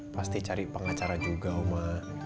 pasti cari pengacara juga oma